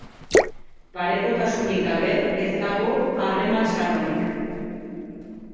Parekotasunik gabe ez dago harreman sanorik.